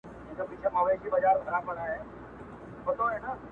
• بیا تر هسکي ټیټه ښه ده په شمله کي چي ننګ وي..